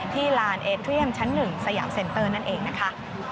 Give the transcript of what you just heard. ลานเอเทียมชั้น๑สยามเซ็นเตอร์นั่นเองนะคะ